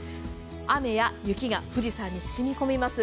雨や雪が富士山に染み込みます。